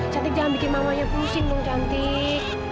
cantik jangan bikin mamanya pusing cantik